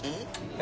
え？